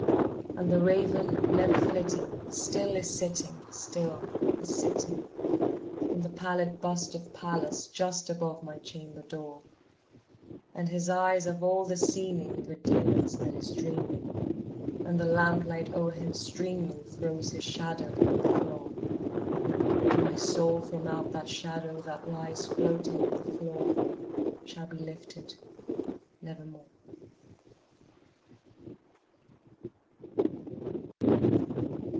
And the raven, never flitting, still is sitting, still is sitting On the pallid bust of Pallas just above my chamber door; And his eyes have all the seeming of a demon's that is dreaming, And the lamp light o'er him streaming throws his shadow on the floor; And my soul from out that shadow that lies floating on the floor Shall be lifted nevermore.